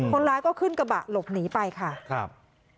คนร้ายก็ขึ้นกระบะหลบหนีไปค่ะครับ